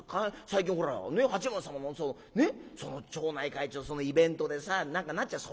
最近八幡様もさ町内会長そのイベントでさ何かなっちゃう」。